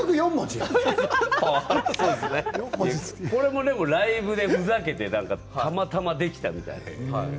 これもライブでふざけてたまたまできたみたいな。